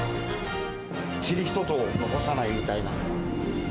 ちり一つ残さないみたいな。